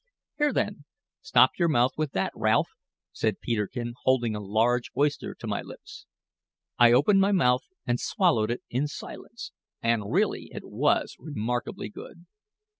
"Here, then, stop your mouth with that, Ralph," said Peterkin, holding a large oyster to my lips. I opened my mouth and swallowed it in silence, and really it was remarkably good.